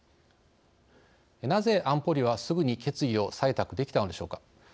なぜ安保理はすぐに決議を採択できたのでしょうか。